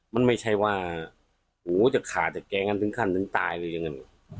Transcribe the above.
มันไม่ใช่ว่าโหจากขาจากแกงั้นถึงขันถึงตายเลยอย่างนั้น